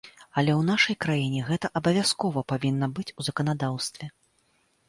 Але ў нашай краіне гэта абавязкова павінна быць у заканадаўстве.